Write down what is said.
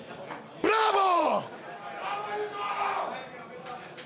ブラボー！